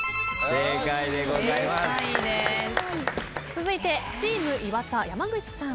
続いてチーム岩田山口さん。